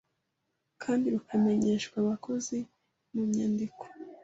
kandi rukamenyeshwa abakozi mu nyandiko